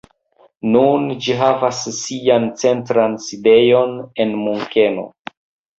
Nun ĝi havas sian centran sidejon en Munkeno.